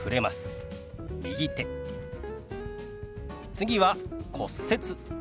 次は「骨折」。